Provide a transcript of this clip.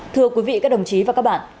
thưa quý vị các đồng chí và các bạn